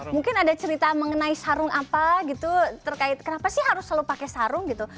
mungkin ada cerita mengenai sarung apa gitu terkait kenapa sih harus selalu pakai sarung gitu